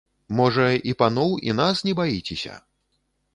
Можа, і паноў і нас не баіцеся?